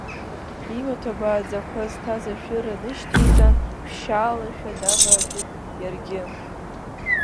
Имаҭәа бааӡақәа зҭаз ишәыра нышьҭеиҵан, ԥшьшьаалашәа дааватәеит иаргьы.